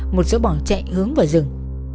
một số bỏ chạy hướng vào rừng